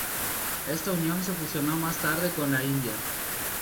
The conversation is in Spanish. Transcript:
Esta unión se fusionó más tarde con la India.